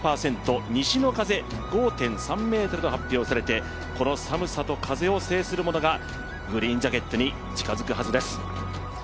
西の風、５．３メートルと発表されてこの寒さと風を制するものがグリーンジャケットに近づくはずです。